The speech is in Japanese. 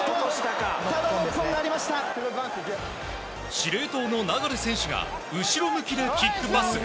司令塔の流選手が後ろ向きでキックパス。